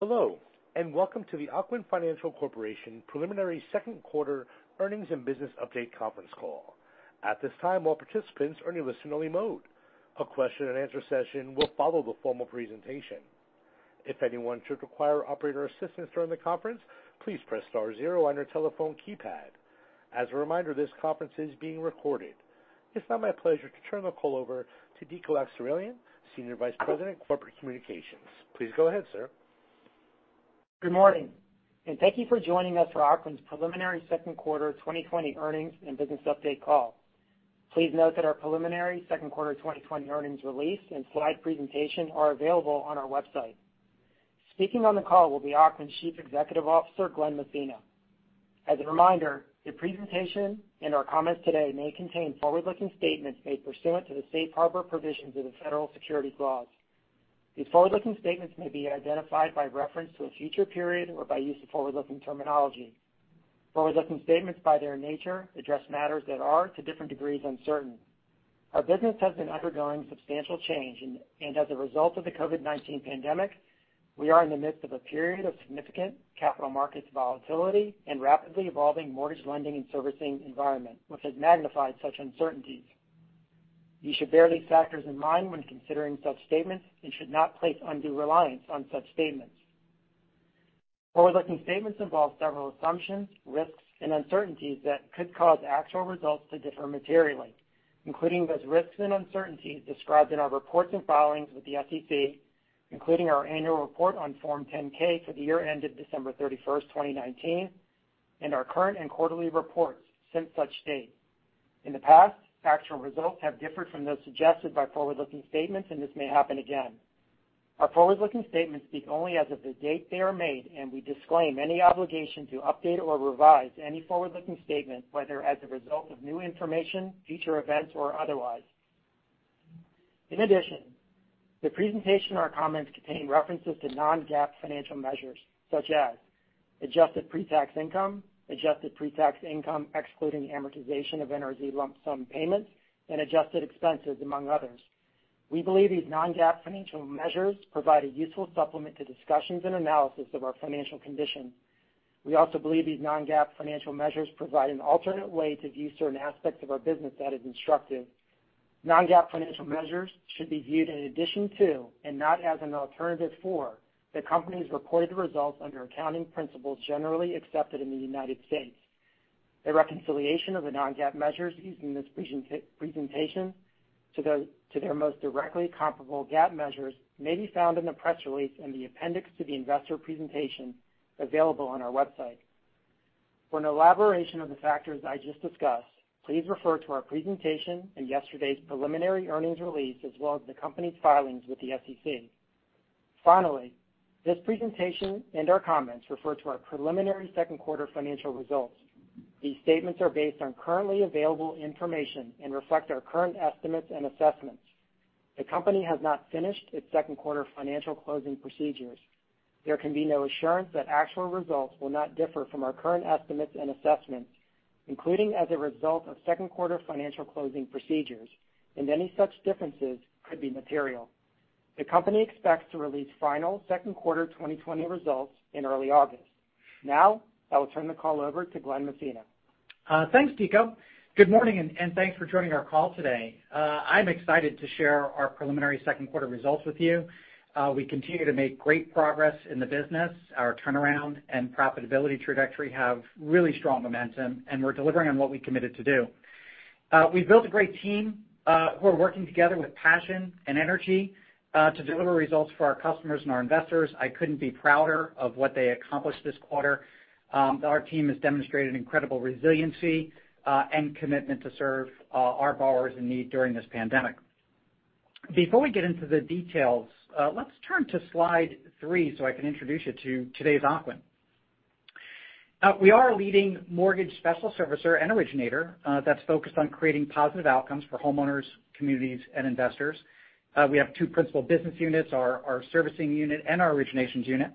Hello, and welcome to the Ocwen Financial Corporation preliminary second quarter earnings and business update conference call. At this time, all participants are in listen-only mode. A question and answer session will follow the formal presentation. If anyone should require operator assistance during the conference, please press star zero on your telephone keypad. As a reminder, this conference is being recorded. It's now my pleasure to turn the call over to Dico Akseraylian, Senior Vice President, Corporate Communications. Please go ahead, sir. Good morning, and thank you for joining us for Ocwen's preliminary second quarter 2020 earnings and business update call. Please note that our preliminary second quarter 2020 earnings release and slide presentation are available on our website. Speaking on the call will be Ocwen's Chief Executive Officer, Glen Messina. As a reminder, the presentation and our comments today may contain forward-looking statements made pursuant to the safe harbor provisions of the federal securities laws. These forward-looking statements may be identified by reference to a future period or by use of forward-looking terminology. Forward-looking statements, by their nature, address matters that are, to different degrees, uncertain. Our business has been undergoing substantial change, and as a result of the COVID-19 pandemic, we are in the midst of a period of significant capital markets volatility and rapidly evolving mortgage lending and servicing environment, which has magnified such uncertainties. You should bear these factors in mind when considering such statements and should not place undue reliance on such statements. Forward-looking statements involve several assumptions, risks, and uncertainties that could cause actual results to differ materially, including those risks and uncertainties described in our reports and filings with the SEC, including our annual report on Form 10-K for the year ended December 31st, 2019, and our current and quarterly reports since such date. In the past, actual results have differed from those suggested by forward-looking statements, and this may happen again. Our forward-looking statements speak only as of the date they are made, and we disclaim any obligation to update or revise any forward-looking statements, whether as a result of new information, future events, or otherwise. In addition, the presentation or comments contain references to non-GAAP financial measures, such as adjusted pre-tax income, adjusted pre-tax income excluding amortization of NRZ lump sum payments, and adjusted expenses, among others. We believe these non-GAAP financial measures provide a useful supplement to discussions and analysis of our financial condition. We also believe these non-GAAP financial measures provide an alternate way to view certain aspects of our business that is instructive. Non-GAAP financial measures should be viewed in addition to, and not as an alternative for, the company's reported results under accounting principles generally accepted in the United States. A reconciliation of the non-GAAP measures used in this presentation to their most directly comparable GAAP measures may be found in the press release in the appendix to the investor presentation available on our website. For an elaboration of the factors I just discussed, please refer to our presentation and yesterday's preliminary earnings release, as well as the company's filings with the SEC. Finally, this presentation and our comments refer to our preliminary second quarter financial results. These statements are based on currently available information and reflect our current estimates and assessments. The company has not finished its second quarter financial closing procedures. There can be no assurance that actual results will not differ from our current estimates and assessments, including as a result of second quarter financial closing procedures, and any such differences could be material. The company expects to release final second quarter 2020 results in early August. Now, I will turn the call over to Glen Messina. Thanks, Dico. Good morning and thanks for joining our call today. I'm excited to share our preliminary second quarter results with you. We continue to make great progress in the business. Our turnaround and profitability trajectory have really strong momentum, and we're delivering on what we committed to do. We've built a great team who are working together with passion and energy to deliver results for our customers and our investors. I couldn't be prouder of what they accomplished this quarter. Our team has demonstrated incredible resiliency and commitment to serve our borrowers in need during this pandemic. Before we get into the details, let's turn to slide three so I can introduce you to today's Ocwen. We are a leading mortgage special servicer and originator that's focused on creating positive outcomes for homeowners, communities, and investors. We have two principal business units, our servicing unit and our originations unit.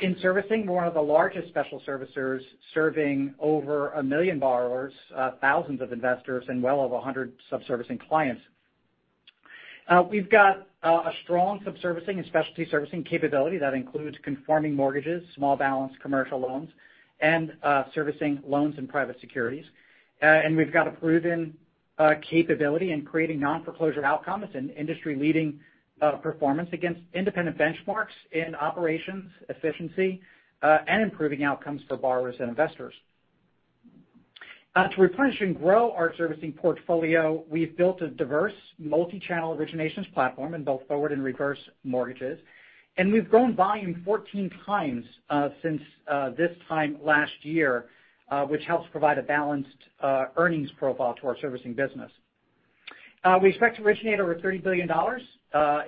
In servicing, we're one of the largest special servicers, serving over 1 million borrowers, thousands of investors, and well over 100 sub-servicing clients. We've got a strong sub-servicing and specialty servicing capability that includes conforming mortgages, small balance commercial loans, and servicing loans and private securities. We've got a proven capability in creating non-foreclosure outcomes and industry-leading performance against independent benchmarks in operations efficiency, and improving outcomes for borrowers and investors. To replenish and grow our servicing portfolio, we've built a diverse multi-channel originations platform in both forward and reverse mortgages, and we've grown volume 14 times since this time last year, which helps provide a balanced earnings profile to our servicing business. We expect to originate over $30 billion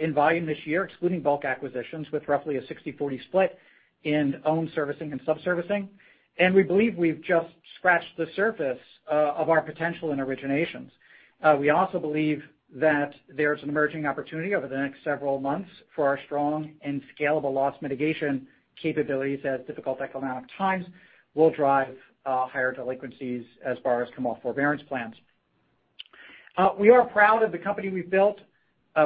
in volume this year, excluding bulk acquisitions, with roughly a 60/40 split in own servicing and sub-servicing. We believe we've just scratched the surface of our potential in originations. We also believe that there's an emerging opportunity over the next several months for our strong and scalable loss mitigation capabilities as difficult economic times will drive higher delinquencies as borrowers come off forbearance plans. We are proud of the company we've built.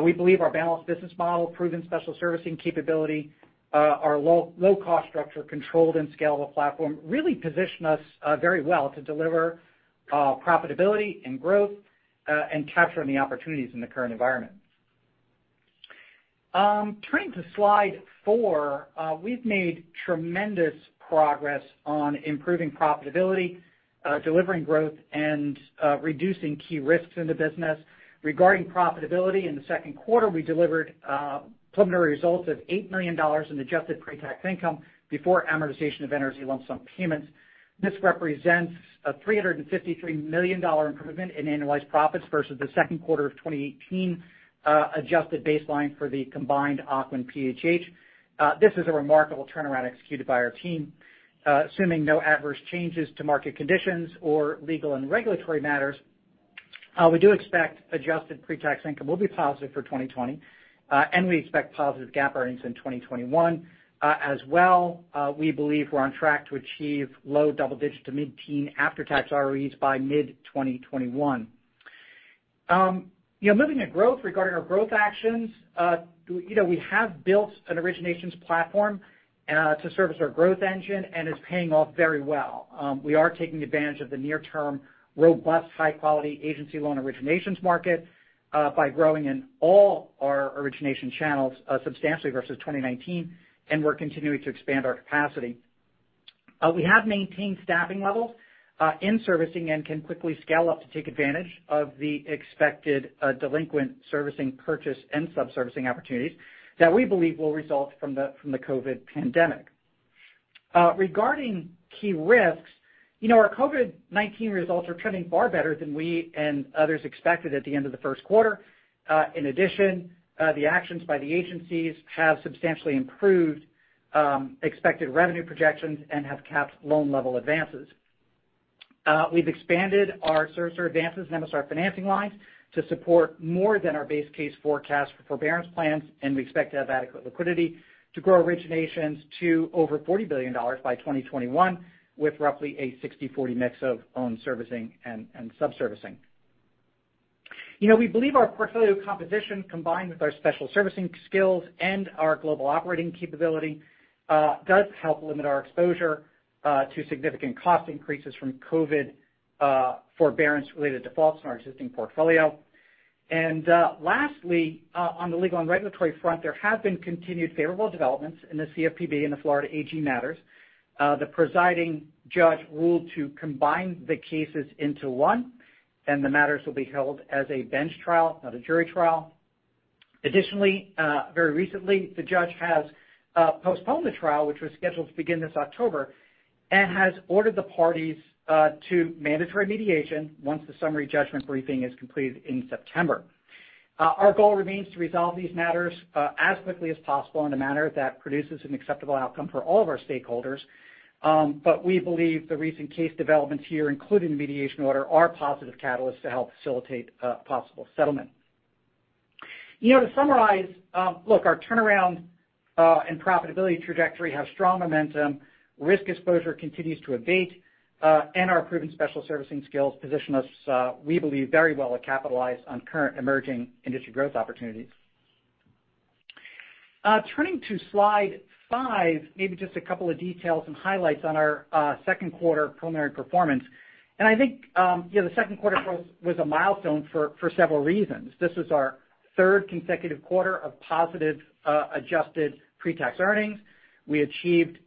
We believe our balanced business model, proven special servicing capability, our low cost structure, controlled and scalable platform really position us very well to deliver profitability and growth, and capturing the opportunities in the current environment. Turning to slide four, we've made tremendous progress on improving profitability, delivering growth, and reducing key risks in the business. Regarding profitability, in the second quarter, we delivered preliminary results of $8 million in adjusted pre-tax income before amortization of NRZ lump sum payments. This represents a $353 million improvement in annualized profits versus the second quarter of 2018, adjusted baseline for the combined Ocwen PHH. This is a remarkable turnaround executed by our team. Assuming no adverse changes to market conditions or legal and regulatory matters, we do expect adjusted pre-tax income will be positive for 2020. We expect positive GAAP earnings in 2021. As well, we believe we're on track to achieve low double digit to mid-teen after-tax ROEs by mid-2021. Moving to growth, regarding our growth actions, we have built an originations platform to service our growth engine, and it's paying off very well. We are taking advantage of the near-term, robust high-quality agency loan originations market by growing in all our origination channels substantially versus 2019, and we're continuing to expand our capacity. We have maintained staffing levels in servicing and can quickly scale up to take advantage of the expected delinquent servicing purchase and sub-servicing opportunities that we believe will result from the COVID pandemic. Regarding key risks, our COVID-19 results are trending far better than we and others expected at the end of the first quarter. In addition, the actions by the agencies have substantially improved expected revenue projections and have capped loan-level advances. We've expanded our servicer advances and MSR financing lines to support more than our base case forecast for forbearance plans, and we expect to have adequate liquidity to grow originations to over $40 billion by 2021, with roughly a 60/40 mix of owned servicing and sub-servicing. We believe our portfolio composition, combined with our special servicing skills and our global operating capability does help limit our exposure to significant cost increases from COVID forbearance-related defaults on our existing portfolio. Lastly, on the legal and regulatory front, there have been continued favorable developments in the CFPB and the Florida AG matters. The presiding judge ruled to combine the cases into one, and the matters will be held as a bench trial, not a jury trial. Additionally, very recently, the judge has postponed the trial, which was scheduled to begin this October, and has ordered the parties to mandatory mediation once the summary judgment briefing is completed in September. Our goal remains to resolve these matters as quickly as possible in a manner that produces an acceptable outcome for all of our stakeholders. We believe the recent case developments here, including the mediation order, are a positive catalyst to help facilitate a possible settlement. To summarize, look, our turnaround and profitability trajectory have strong momentum. Risk exposure continues to abate. Our proven special servicing skills position us, we believe, very well to capitalize on current emerging industry growth opportunities. Turning to slide five, maybe just a couple of details and highlights on our second quarter preliminary performance. I think the second quarter was a milestone for several reasons. This was our third consecutive quarter of positive adjusted pre-tax earnings. We achieved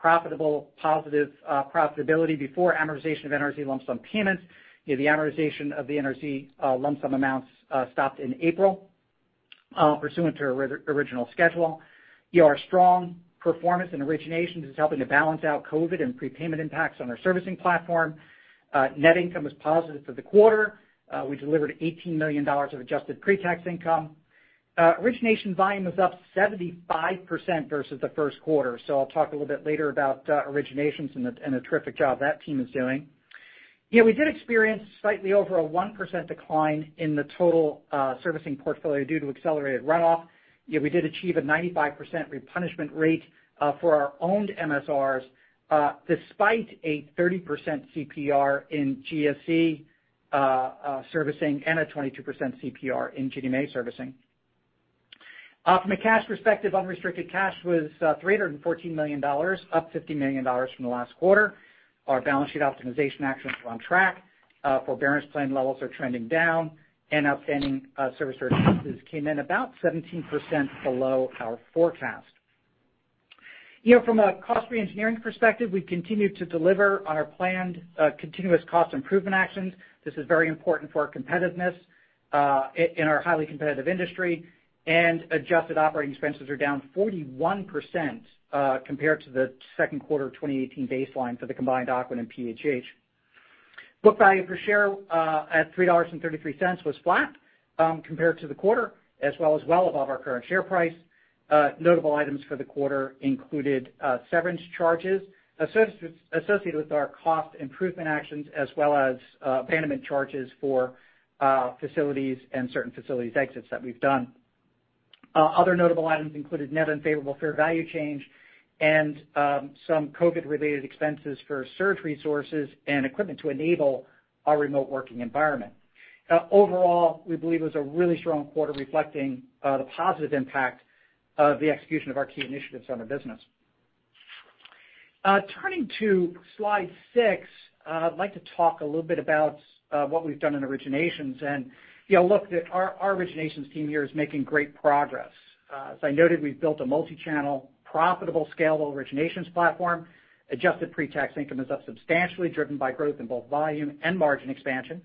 profitable positive profitability before amortization of NRZ lump sum payments. The amortization of the NRZ lump sum amounts stopped in April pursuant to original schedule. Our strong performance in originations is helping to balance out COVID-19 and prepayment impacts on our servicing platform. Net income was positive for the quarter. We delivered $18 million of adjusted pre-tax income. Origination volume was up 75% versus the first quarter. I'll talk a little bit later about originations and the terrific job that team is doing. We did experience slightly over a 1% decline in the total servicing portfolio due to accelerated runoff. Yet we did achieve a 95% replenishment rate for our owned MSRs despite a 30% CPR in GSE servicing and a 22% CPR in GNMA servicing. From a cash perspective, unrestricted cash was $314 million, up $50 million from the last quarter. Our balance sheet optimization actions are on track. Forbearance plan levels are trending down, and outstanding servicer advances came in about 17% below our forecast. From a cost re-engineering perspective, we continue to deliver on our planned continuous cost improvement actions. This is very important for our competitiveness in our highly competitive industry. Adjusted operating expenses are down 41% compared to the second quarter of 2018 baseline for the combined Ocwen and PHH. Book value per share at $3.33 was flat compared to the quarter, as well above our current share price. Notable items for the quarter included severance charges associated with our cost improvement actions as well as abandonment charges for facilities and certain facilities exits that we've done. Other notable items included net unfavorable fair value change and some COVID-19 related expenses for surge resources and equipment to enable our remote working environment. Overall, we believe it was a really strong quarter reflecting the positive impact of the execution of our key initiatives on the business. Turning to slide six, I'd like to talk a little bit about what we've done in originations. Look, our originations team here is making great progress. As I noted, we've built a multi-channel profitable, scalable originations platform. Adjusted pre-tax income is up substantially, driven by growth in both volume and margin expansion.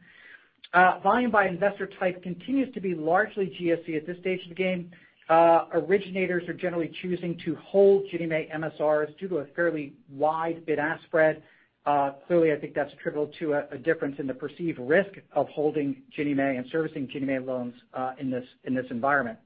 Volume by investor type continues to be largely GSE at this stage of the game. Originators are generally choosing to hold Ginnie Mae MSRs due to a fairly wide bid-ask spread. Clearly, I think that's attributable to a difference in the perceived risk of holding Ginnie Mae and servicing Ginnie Mae loans in this environment.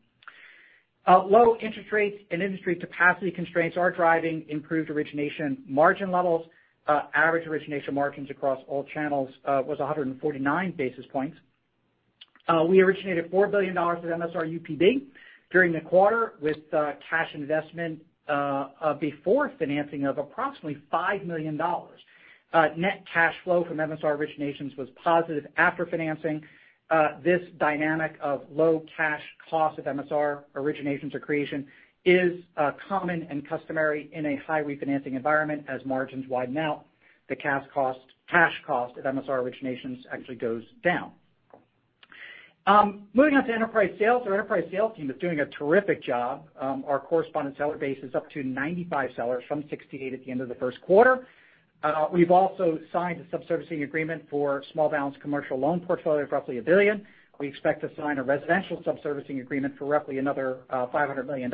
Low interest rates and industry capacity constraints are driving improved origination margin levels. Average origination margins across all channels was 149 basis points. We originated $4 billion of MSR UPB during the quarter with cash investment before financing of approximately $5 million. Net cash flow from MSR originations was positive after financing. This dynamic of low cash cost of MSR originations or creation is common and customary in a high refinancing environment as margins widen out, the cash cost of MSR originations actually goes down. Moving on to enterprise sales. Our enterprise sales team is doing a terrific job. Our correspondent seller base is up to 95 sellers from 68 at the end of the first quarter. We've also signed a sub-servicing agreement for small balance commercial loan portfolio of roughly $1 billion. We expect to sign a residential sub-servicing agreement for roughly another $500 million.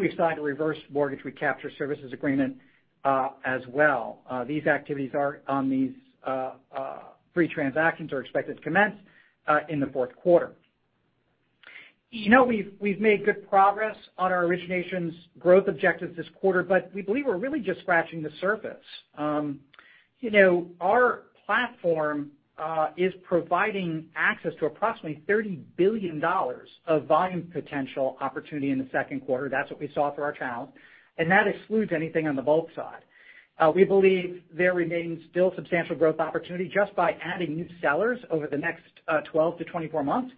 We've signed a reverse mortgage recapture services agreement as well. These free transactions are expected to commence in the fourth quarter. We've made good progress on our originations growth objectives this quarter, we believe we're really just scratching the surface. Our platform is providing access to approximately $30 billion of volume potential opportunity in the second quarter. That's what we saw through our channels, and that excludes anything on the bulk side. We believe there remains still substantial growth opportunity just by adding new sellers over the next 12 to 24 months.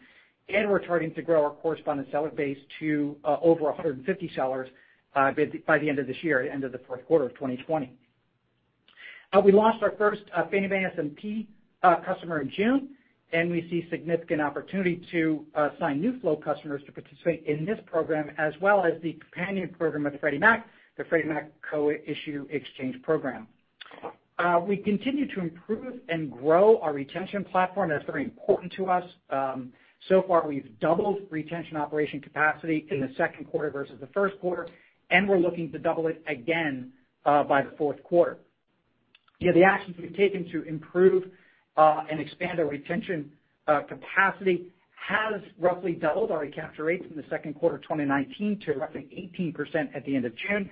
We're targeting to grow our correspondent seller base to over 150 sellers by the end of this year, end of the fourth quarter of 2020. We launched our first Fannie Mae SMP customer in June, and we see significant opportunity to sign new flow customers to participate in this program, as well as the companion program with Freddie Mac, the Freddie Mac Co-Issue XChange program. We continue to improve and grow our retention platform. That's very important to us. Far, we've doubled retention operation capacity in the second quarter versus the first quarter, and we're looking to double it again by the fourth quarter. The actions we've taken to improve and expand our retention capacity has roughly doubled our recapture rates in the second quarter of 2019 to roughly 18% at the end of June.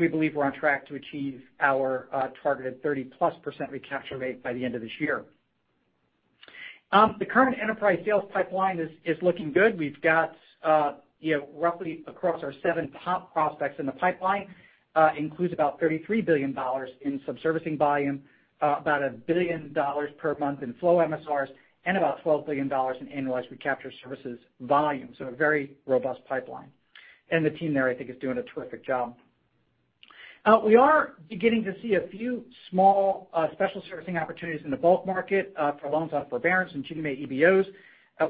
We believe we're on track to achieve our targeted 30-plus % recapture rate by the end of this year. The current enterprise sales pipeline is looking good. We've got roughly across our seven top prospects in the pipeline includes about $33 billion in sub-servicing volume, about $1 billion per month in flow MSRs, and about $12 billion in annualized recapture services volume. A very robust pipeline. The team there, I think, is doing a terrific job. We are beginning to see a few small special servicing opportunities in the bulk market for loans on forbearance and Ginnie Mae EBOs.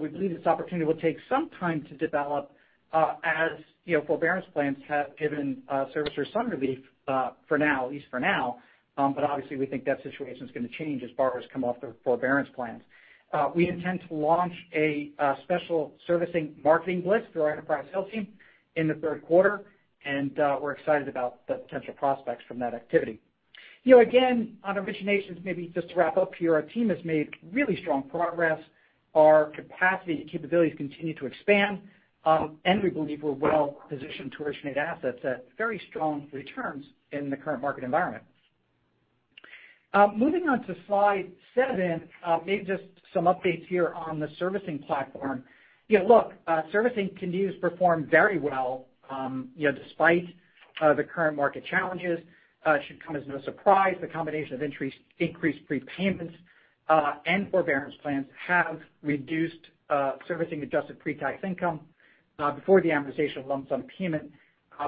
We believe this opportunity will take some time to develop as forbearance plans have given servicers some relief for now, at least for now. Obviously, we think that situation's going to change as borrowers come off their forbearance plans. We intend to launch a special servicing marketing blitz for our enterprise sales team in the third quarter, and we're excited about the potential prospects from that activity. Again, on originations, maybe just to wrap up here, our team has made really strong progress. Our capacity and capabilities continue to expand, and we believe we're well positioned to originate assets at very strong returns in the current market environment. Moving on to slide seven, maybe just some updates here on the servicing platform. Look, servicing continues to perform very well despite the current market challenges. It should come as no surprise the combination of increased prepayments and forbearance plans have reduced servicing adjusted pre-tax income before the amortization of lump-sum payment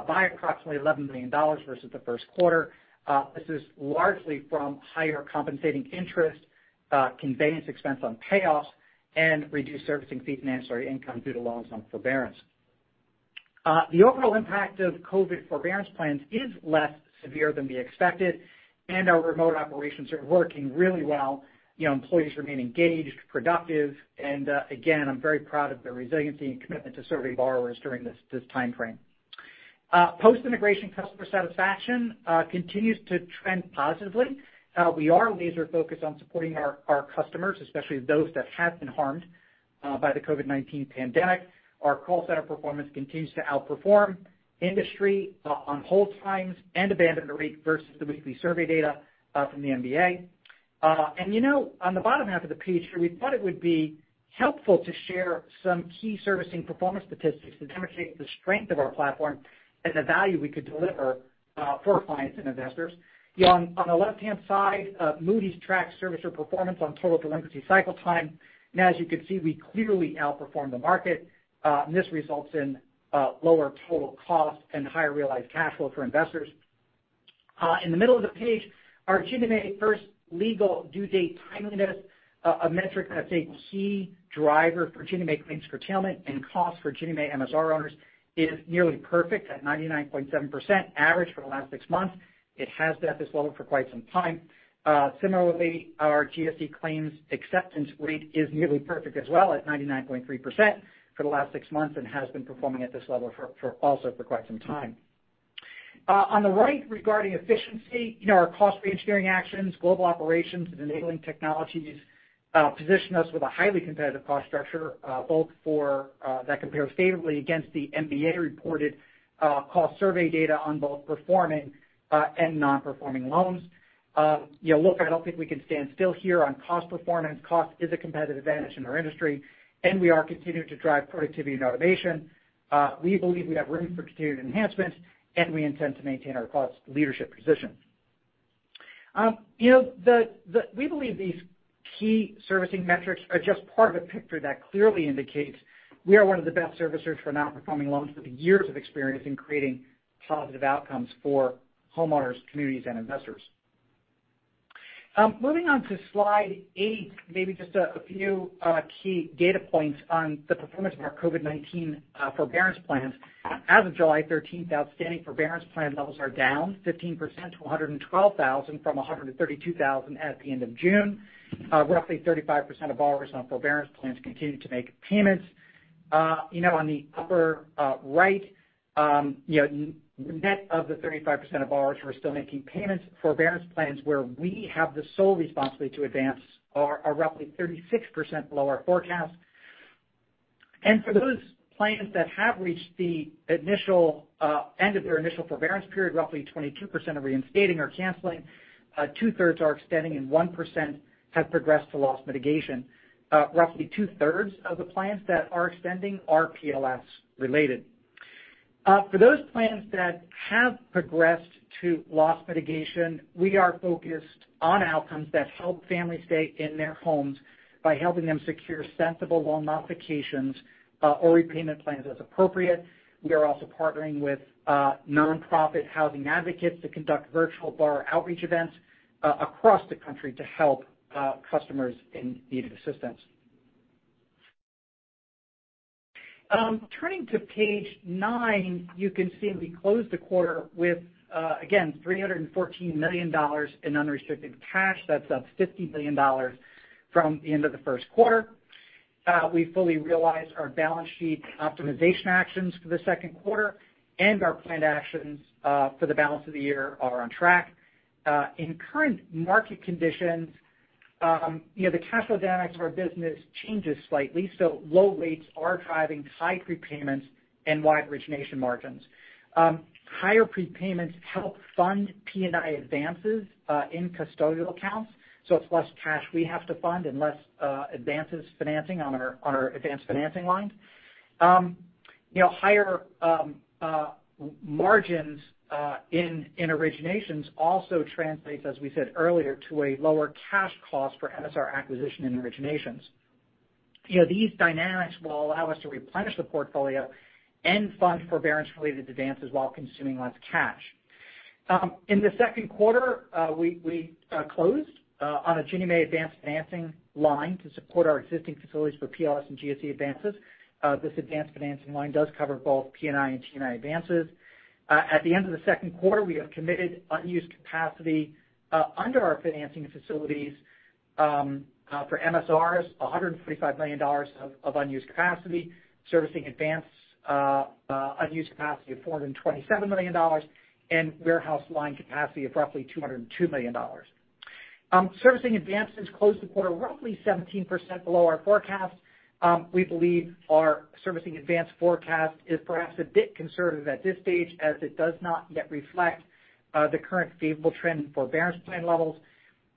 by approximately $11 million versus the first quarter. This is largely from higher compensating interest, conveyance expense on payoffs, and reduced servicing fees and ancillary income due to lump-sum forbearance. The overall impact of COVID forbearance plans is less severe than we expected, and our remote operations are working really well. Employees remain engaged, productive, and again, I'm very proud of their resiliency and commitment to serving borrowers during this time frame. Post-integration customer satisfaction continues to trend positively. We are laser focused on supporting our customers, especially those that have been harmed by the COVID-19 pandemic. Our call center performance continues to outperform industry on hold times and abandon rate versus the weekly survey data from the MBA. On the bottom half of the page here, we thought it would be helpful to share some key servicing performance statistics that demonstrate the strength of our platform and the value we could deliver for clients and investors. On the left-hand side, Moody's tracks servicer performance on total delinquency cycle time, and as you can see, we clearly outperform the market. This results in lower total cost and higher realized cash flow for investors. In the middle of the page, our Ginnie Mae first legal due date timeliness, a metric that's a key driver for Ginnie Mae claims curtailment and cost for Ginnie Mae MSR owners, is nearly perfect at 99.7% average for the last six months. It has been at this level for quite some time. Similarly, our GSE claims acceptance rate is nearly perfect as well at 99.3% for the last six months and has been performing at this level also for quite some time. On the right, regarding efficiency, our cost reengineering actions, global operations, and enabling technologies position us with a highly competitive cost structure that compares favorably against the MBA-reported cost survey data on both performing and non-performing loans. Look, I don't think we can stand still here on cost performance. Cost is a competitive advantage in our industry, and we are continuing to drive productivity and automation. We believe we have room for continued enhancements, and we intend to maintain our cost leadership position. We believe these key servicing metrics are just part of a picture that clearly indicates we are one of the best servicers for non-performing loans with years of experience in creating positive outcomes for homeowners, communities, and investors. Moving on to slide eight, maybe just a few key data points on the performance of our COVID-19 forbearance plans. As of July 13th, outstanding forbearance plan levels are down 15% to 112,000 from 132,000 at the end of June. Roughly 35% of borrowers on forbearance plans continue to make payments. On the upper right, net of the 35% of borrowers who are still making payments, forbearance plans where we have the sole responsibility to advance are roughly 36% below our forecast. For those plans that have reached the end of their initial forbearance period, roughly 22% are reinstating or canceling, two-thirds are extending, and 1% have progressed to loss mitigation. Roughly two-thirds of the plans that are extending are PLS related. For those plans that have progressed to loss mitigation, we are focused on outcomes that help families stay in their homes by helping them secure sensible loan modifications or repayment plans as appropriate. We are also partnering with non-profit housing advocates to conduct virtual borrower outreach events across the country to help customers in need of assistance. Turning to page nine, you can see we closed the quarter with, again, $314 million in unrestricted cash. That's up $50 million from the end of the first quarter. We fully realized our balance sheet optimization actions for the second quarter and our planned actions for the balance of the year are on track. In current market conditions, the cash flow dynamics of our business changes slightly, so low rates are driving high prepayments and wide origination margins. Higher prepayments help fund P&I advances in custodial accounts. It's less cash we have to fund and less advances financing on our advanced financing lines. Higher margins in originations also translate, as we said earlier, to a lower cash cost for MSR acquisition and originations. These dynamics will allow us to replenish the portfolio and fund forbearance-related advances while consuming less cash. In the second quarter, we closed on a Ginnie Mae advanced financing line to support our existing facilities for PLS and GSE advances. This advanced financing line does cover both P&I and T&I advances. At the end of the second quarter, we have committed unused capacity under our financing facilities for MSRs, $145 million of unused capacity, servicing advance unused capacity of $427 million, and warehouse line capacity of roughly $202 million. Servicing advances closed the quarter roughly 17% below our forecast. We believe our servicing advance forecast is perhaps a bit conservative at this stage as it does not yet reflect the current favorable trend in forbearance plan levels.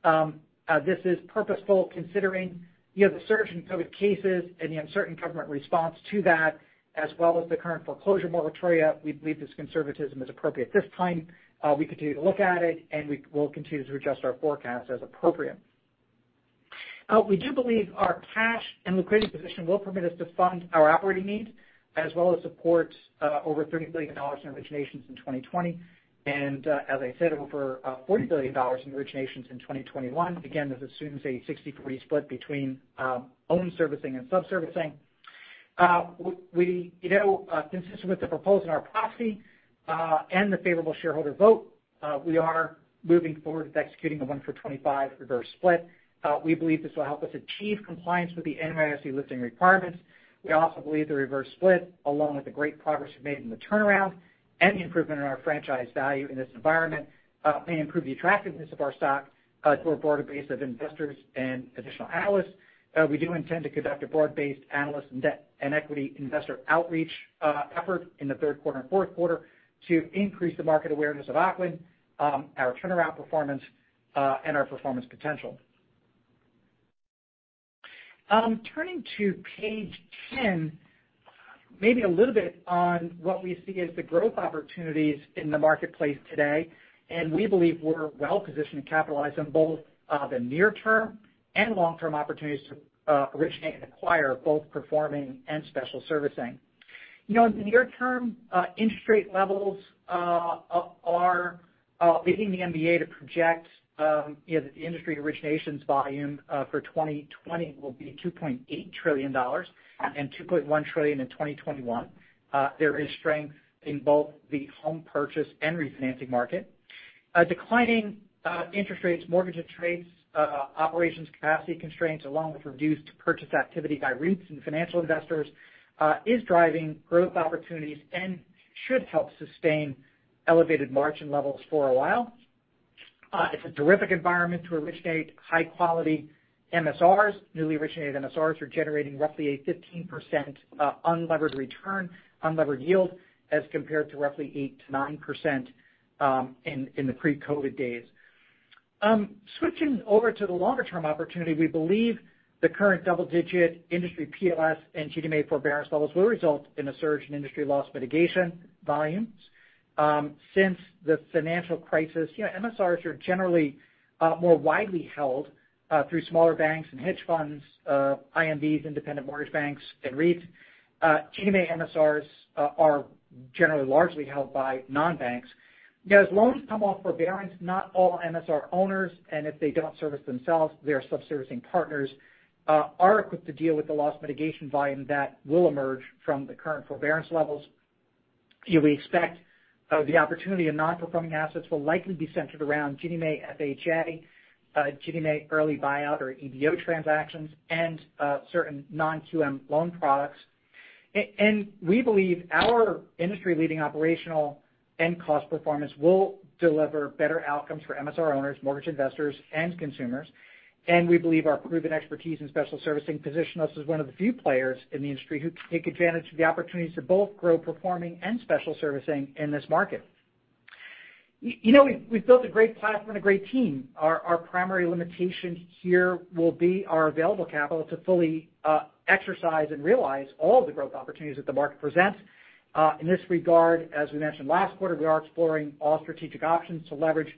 This is purposeful considering the surge in COVID cases and the uncertain government response to that, as well as the current foreclosure moratoria. We believe this conservatism is appropriate at this time. We continue to look at it, and we'll continue to adjust our forecast as appropriate. We do believe our cash and liquidity position will permit us to fund our operating needs as well as support over $30 billion in originations in 2020, and as I said, over $40 billion in originations in 2021. Again, that assumes a 60/40 split between owned servicing and subservicing. Consistent with the proposal in our proxy and the favorable shareholder vote, we are moving forward with executing the one-for-25 reverse split. We believe this will help us achieve compliance with the NYSE listing requirements. We also believe the reverse split, along with the great progress we've made in the turnaround and the improvement in our franchise value in this environment, may improve the attractiveness of our stock to a broader base of investors and additional analysts. We do intend to conduct a broad-based analyst and equity investor outreach effort in the third quarter and fourth quarter to increase the market awareness of Ocwen, our turnaround performance, and our performance potential. Turning to page 10, maybe a little bit on what we see as the growth opportunities in the marketplace today. We believe we're well-positioned to capitalize on both the near-term and long-term opportunities to originate and acquire both performing and special servicing. In the near term, interest rate levels are beginning the MBA to project that the industry originations volume for 2020 will be $2.8 trillion and $2.1 trillion in 2021. There is strength in both the home purchase and refinancing market. Declining interest rates, mortgage trades, operations capacity constraints, along with reduced purchase activity by REITs and financial investors, is driving growth opportunities and should help sustain elevated margin levels for a while. It's a terrific environment to originate high-quality MSRs. Newly originated MSRs are generating roughly a 15% unlevered return, unlevered yield, as compared to roughly 8%-9% in the pre-COVID days. Switching over to the longer-term opportunity, we believe the current double-digit industry PLS and Ginnie Mae forbearance levels will result in a surge in industry loss mitigation volumes. Since the financial crisis, MSRs are generally more widely held through smaller banks and hedge funds, IMBs, independent mortgage banks, and REITs. Ginnie Mae MSRs are generally largely held by non-banks. As loans come off forbearance, not all MSR owners, and if they don't service themselves, their sub-servicing partners are equipped to deal with the loss mitigation volume that will emerge from the current forbearance levels. We expect the opportunity in non-performing assets will likely be centered around Ginnie Mae FHA, Ginnie Mae early buyout or EBO transactions, and certain non-QM loan products. We believe our industry-leading operational end cost performance will deliver better outcomes for MSR owners, mortgage investors, and consumers. We believe our proven expertise in special servicing position us as one of the few players in the industry who can take advantage of the opportunities to both grow performing and special servicing in this market. We've built a great platform and a great team. Our primary limitation here will be our available capital to fully exercise and realize all the growth opportunities that the market presents. In this regard, as we mentioned last quarter, we are exploring all strategic options to leverage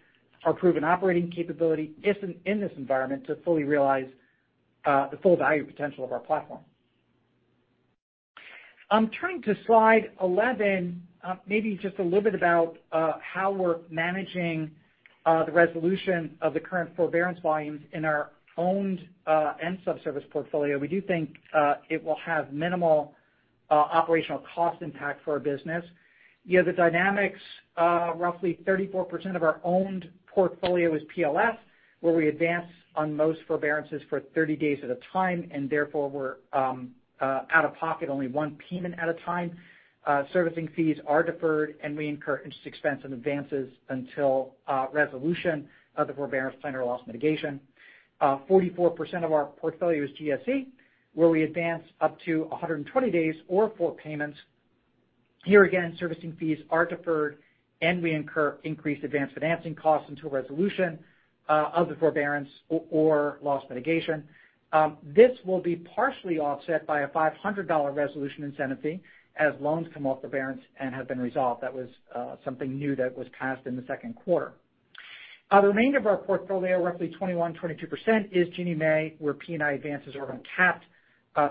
our proven operating capability in this environment to fully realize the full value potential of our platform. Turning to slide 11, maybe just a little bit about how we're managing the resolution of the current forbearance volumes in our owned and subservice portfolio. We do think it will have minimal operational cost impact for our business. The dynamics, roughly 34% of our owned portfolio is PLS, where we advance on most forbearances for 30 days at a time, and therefore we're out of pocket only one payment at a time. Servicing fees are deferred, and we incur interest expense and advances until resolution of the forbearance plan or loss mitigation. 44% of our portfolio is GSE, where we advance up to 120 days or four payments. Here again, servicing fees are deferred, and we incur increased advanced financing costs until resolution of the forbearance or loss mitigation. This will be partially offset by a $500 resolution incentive fee as loans come off forbearance and have been resolved. That was something new that was passed in the second quarter. The remainder of our portfolio, roughly 21%, 22%, is Ginnie Mae, where P&I advances are uncapped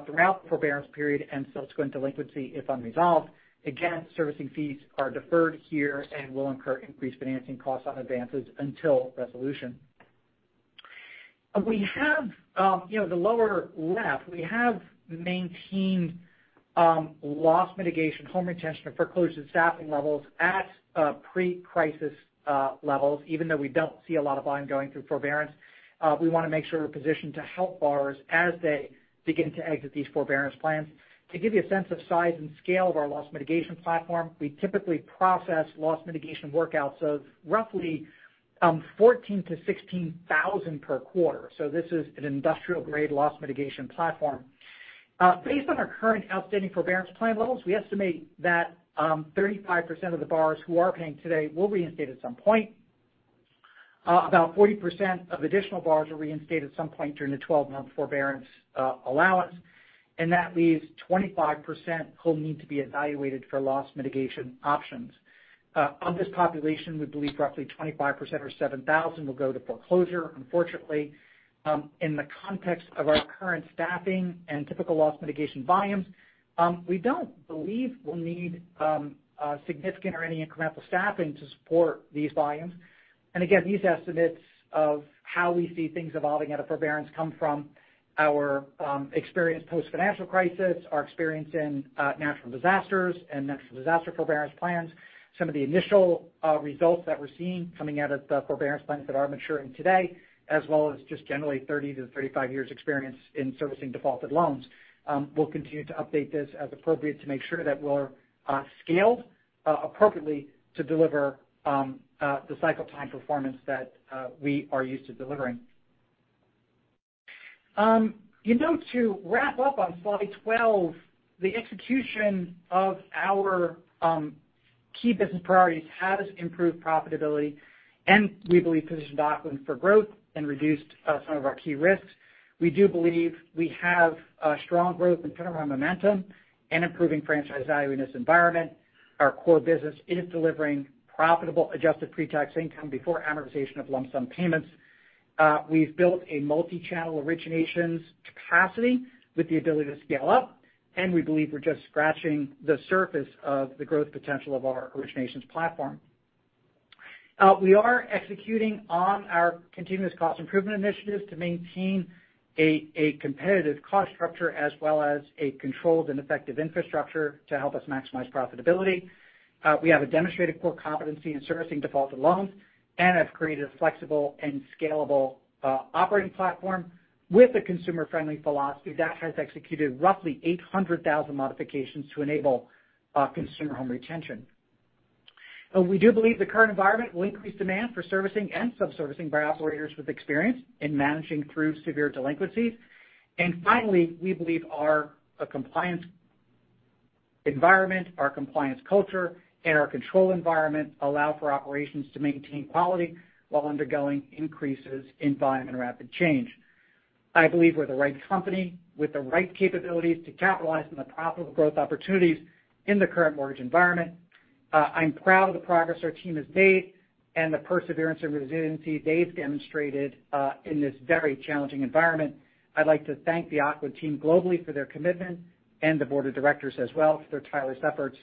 throughout the forbearance period and subsequent delinquency if unresolved. Again, servicing fees are deferred here and will incur increased financing costs on advances until resolution. The lower left, we have maintained loss mitigation, home retention, and foreclosure staffing levels at pre-crisis levels, even though we don't see a lot of volume going through forbearance. We want to make sure we're positioned to help borrowers as they begin to exit these forbearance plans. To give you a sense of size and scale of our loss mitigation platform, we typically process loss mitigation workouts of roughly 14,000-16,000 per quarter. This is an industrial-grade loss mitigation platform. Based on our current outstanding forbearance plan levels, we estimate that 35% of the borrowers who are paying today will reinstate at some point. About 40% of additional borrowers will reinstate at some point during the 12-month forbearance allowance. That leaves 25% who will need to be evaluated for loss mitigation options. Of this population, we believe roughly 25% or 7,000 will go to foreclosure, unfortunately. In the context of our current staffing and typical loss mitigation volumes, we don't believe we'll need significant or any incremental staffing to support these volumes. Again, these estimates of how we see things evolving out of forbearance come from our experience post-financial crisis, our experience in natural disasters and natural disaster forbearance plans, some of the initial results that we're seeing coming out of the forbearance plans that are maturing today, as well as just generally 30-35 years' experience in servicing defaulted loans. We'll continue to update this as appropriate to make sure that we're scaled appropriately to deliver the cycle time performance that we are used to delivering. To wrap up on slide 12, the execution of our key business priorities have improved profitability, and we believe positioned Ocwen for growth and reduced some of our key risks. We do believe we have strong growth and turnaround momentum and improving franchise value in this environment. Our core business is delivering profitable adjusted pre-tax income before amortization of lump sum payments. We've built a multi-channel originations capacity with the ability to scale up, and we believe we're just scratching the surface of the growth potential of our originations platform. We are executing on our continuous cost improvement initiatives to maintain a competitive cost structure as well as a controlled and effective infrastructure to help us maximize profitability. We have a demonstrated core competency in servicing defaulted loans and have created a flexible and scalable operating platform with a consumer-friendly philosophy that has executed roughly 800,000 modifications to enable consumer home retention. We do believe the current environment will increase demand for servicing and sub-servicing by operators with experience in managing through severe delinquencies. Finally, we believe our compliance environment, our compliance culture, and our control environment allow for operations to maintain quality while undergoing increases in volume and rapid change. I believe we're the right company with the right capabilities to capitalize on the profitable growth opportunities in the current mortgage environment. I'm proud of the progress our team has made and the perseverance and resiliency they've demonstrated in this very challenging environment. I'd like to thank the Ocwen team globally for their commitment and the board of directors as well for their tireless efforts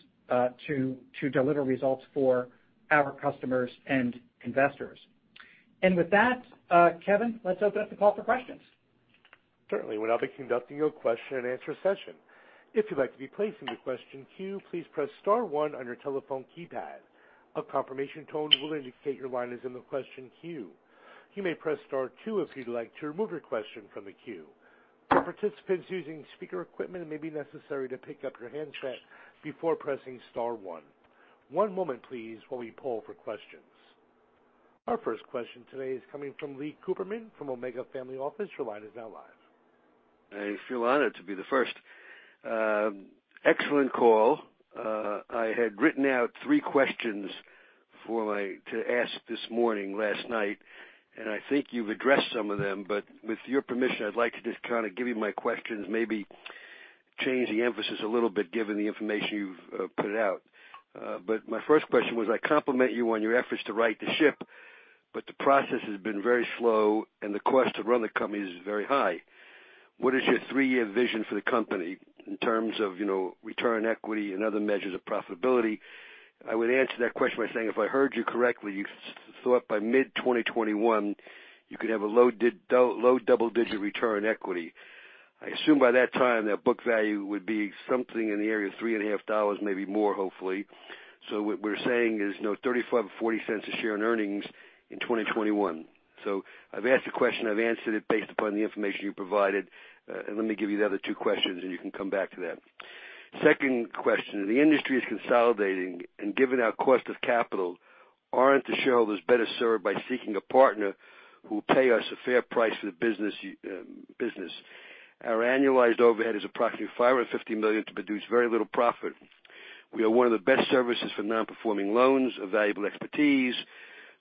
to deliver results for our customers and investors. With that Kevin, let's open up the call for questions. Certainly. We'll now be conducting your question and answer session. If you'd like to be placed in the question queue, please press star one on your telephone keypad. A confirmation tone will indicate your line is in the question queue. You may press star two if you'd like to remove your question from the queue. For participants using speaker equipment, it may be necessary to pick up your handset before pressing star one. One moment please while we poll for questions. Our first question today is coming from Lee Cooperman from Omega Family Office. Your line is now live. I feel honored to be the first. Excellent call. I had written out three questions to ask this morning, last night, and I think you've addressed some of them. With your permission, I'd like to just kind of give you my questions, maybe change the emphasis a little bit given the information you've put out. My first question was, I compliment you on your efforts to right the ship, but the process has been very slow, and the cost to run the company is very high. What is your three-year vision for the company in terms of return on equity and other measures of profitability? I would answer that question by saying, if I heard you correctly, you thought by mid 2021, you could have a low double-digit return on equity. I assume by that time, that book value would be something in the area of three and a half dollars, maybe more, hopefully. What we're saying is $0.35 or $0.40 a share in earnings in 2021. I've asked the question. I've answered it based upon the information you provided. Let me give you the other two questions, and you can come back to that. Second question, the industry is consolidating, and given our cost of capital, aren't the shareholders better served by seeking a partner who will pay us a fair price for the business? Our annualized overhead is approximately $550 million to produce very little profit. We are one of the best services for non-performing loans of valuable expertise.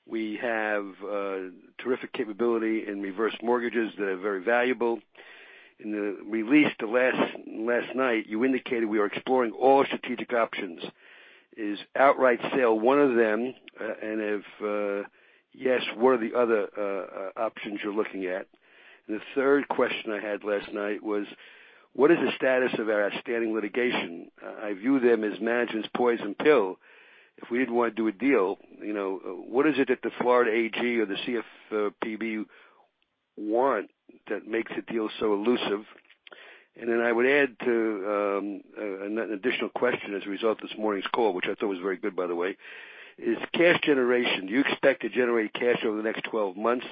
We have a terrific capability in reverse mortgages that are very valuable. In the release last night, you indicated we are exploring all strategic options. Is outright sale one of them? If yes, what are the other options you're looking at? The third question I had last night was, what is the status of our outstanding litigation? I view them as management's poison pill. If we didn't want to do a deal, what is it that the Florida AG or the CFPB want that makes the deal so elusive? Then I would add an additional question as a result of this morning's call, which I thought was very good, by the way. Is cash generation. Do you expect to generate cash over the next 12 months?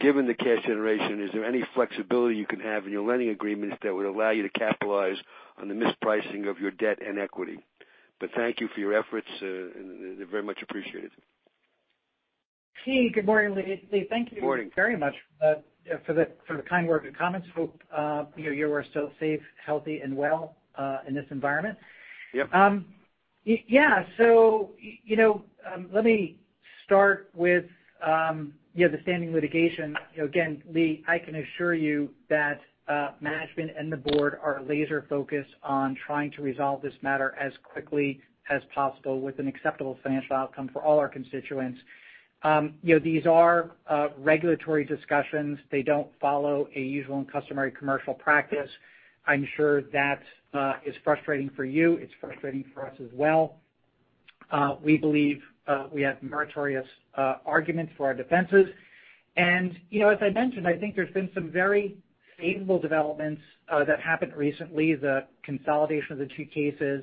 Given the cash generation, is there any flexibility you can have in your lending agreements that would allow you to capitalize on the mispricing of your debt and equity? Thank you for your efforts. They're very much appreciated. Hey, good morning, Lee. Thank you. Morning very much for the kind words and comments. Hope you are still safe, healthy, and well in this environment. Yep. Let me start with the standing litigation. Again, Lee, I can assure you that management and the board are laser-focused on trying to resolve this matter as quickly as possible with an acceptable financial outcome for all our constituents. These are regulatory discussions. They don't follow a usual and customary commercial practice. I'm sure that is frustrating for you. It's frustrating for us as well. We believe we have meritorious arguments for our defenses. As I mentioned, I think there's been some very favorable developments that happened recently, the consolidation of the two cases,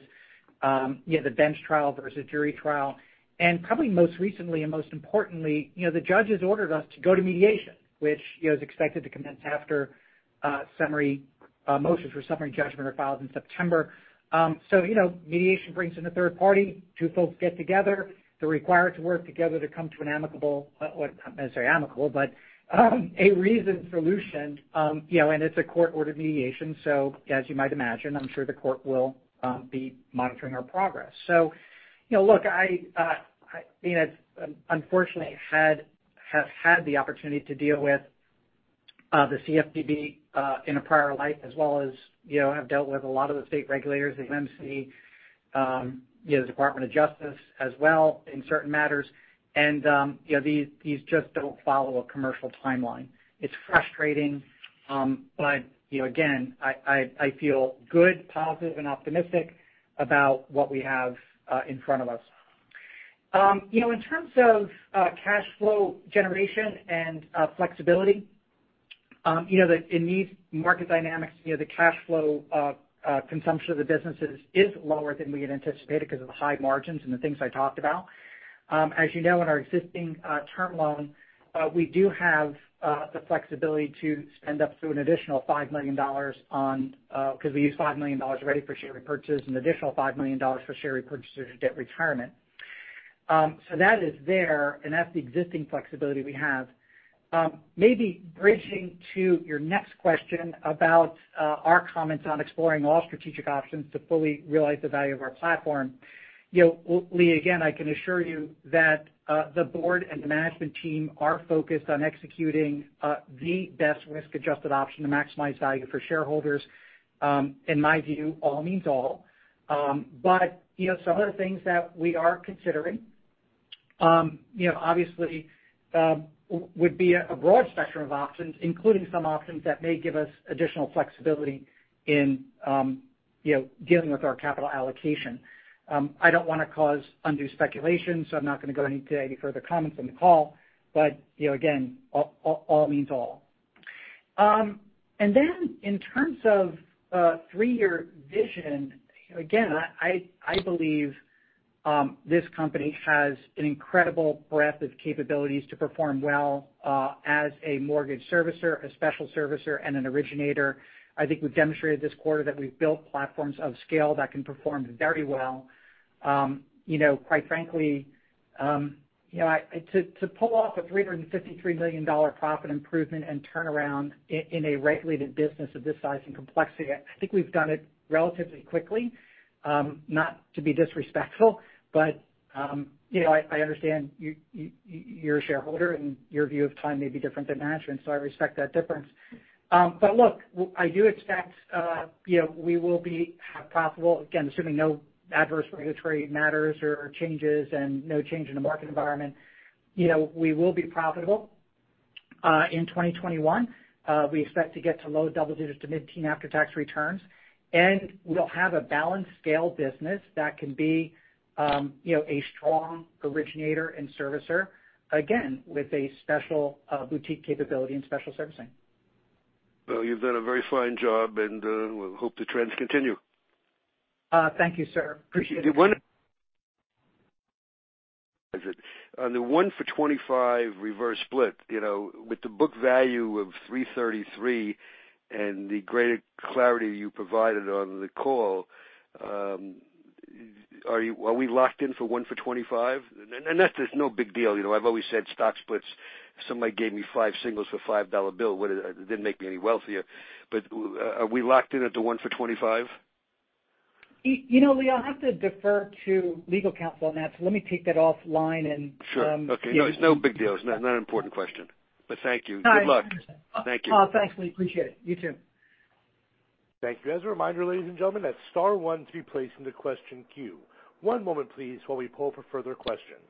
the bench trial versus jury trial, and probably most recently and most importantly, the judges ordered us to go to mediation, which is expected to commence after motions for summary judgment are filed in September. Mediation brings in a third party. Two folks get together. They're required to work together to come to an amicable, not necessarily amicable, but a reasoned solution. It's a court-ordered mediation, so as you might imagine, I'm sure the court will be monitoring our progress. Look, unfortunately, I have had the opportunity to deal with the CFPB in a prior life as well as have dealt with a lot of the state regulators, the FMC, the Department of Justice as well in certain matters. These just don't follow a commercial timeline. It's frustrating, but again, I feel good, positive, and optimistic about what we have in front of us. In terms of cash flow generation and flexibility, in these market dynamics, the cash flow consumption of the businesses is lower than we had anticipated because of the high margins and the things I talked about. As you know, in our existing term loan, we do have the flexibility to spend up to an additional $5 million because we used $5 million already for share repurchase and an additional $5 million for share repurchase or debt retirement. That is there, and that's the existing flexibility we have. Maybe bridging to your next question about our comments on exploring all strategic options to fully realize the value of our platform. Lee, again, I can assure you that the board and the management team are focused on executing the best risk-adjusted option to maximize value for shareholders. In my view, all means all. Some of the things that we are considering, obviously, would be a broad spectrum of options, including some options that may give us additional flexibility in dealing with our capital allocation. I don't want to cause undue speculation, so I'm not going to go into any further comments on the call. Again, all means all. In terms of three-year vision, again, I believe this company has an incredible breadth of capabilities to perform well as a mortgage servicer, a special servicer, and an originator. I think we've demonstrated this quarter that we've built platforms of scale that can perform very well. Quite frankly, to pull off a $353 million profit improvement and turnaround in a regulated business of this size and complexity, I think we've done it relatively quickly. Not to be disrespectful, but I understand you're a shareholder and your view of time may be different than management, so I respect that difference. Look, I do expect we will be profitable again, assuming no adverse regulatory matters or changes and no change in the market environment. We will be profitable in 2021. We expect to get to low double digits to mid-teen after-tax returns. We'll have a balanced scale business that can be a strong originator and servicer, again, with a special boutique capability and special servicing. Well, you've done a very fine job, and we'll hope the trends continue. Thank you, sir. Appreciate it. On the 1 for 25 reverse split, with the book value of 333 and the greater clarity you provided on the call, are we locked in for 1 for 25? That is no big deal. I've always said stock splits. If somebody gave me 5 singles for a $5 bill, it didn't make me any wealthier. Are we locked in at the 1 for 25? Lee, I'll have to defer to legal counsel on that. Let me take that offline. Sure. Okay. No, it's no big deal. It's not an important question. Thank you. All right. Good luck. Thank you. Thanks, Lee. Appreciate it. You too. Thank you. As a reminder, ladies and gentlemen, that's star one to be placed into question queue. One moment please, while we poll for further questions.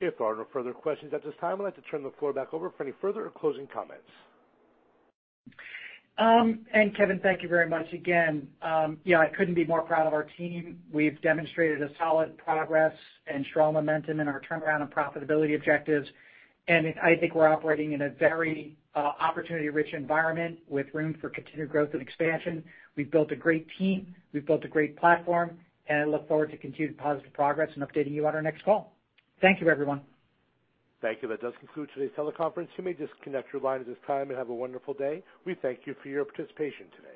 If there are no further questions at this time, I'd like to turn the floor back over for any further or closing comments. Kevin, thank you very much again. I couldn't be more proud of our team. We've demonstrated a solid progress and strong momentum in our turnaround and profitability objectives. I think we're operating in a very opportunity-rich environment with room for continued growth and expansion. We've built a great team, we've built a great platform, and I look forward to continued positive progress and updating you on our next call. Thank you, everyone. Thank you. That does conclude today's teleconference. You may disconnect your line at this time and have a wonderful day. We thank you for your participation today.